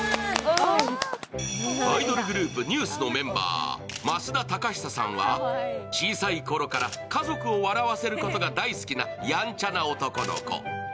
アイドルグループ、ＮＥＷＳのメンバー、増田貴久さんは小さいころから家族を笑わせることが大好きなやんちゃな男の子。